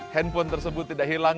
handphone tersebut tidak hilang